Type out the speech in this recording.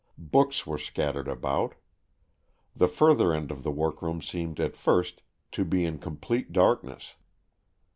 Books were scattered about. The further end of the workroom seemed at first to be in com plete darkness.